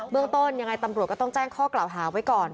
เรื่องต้นยังไงตำรวจก็ต้องแจ้งข้อกล่าวหาไว้ก่อน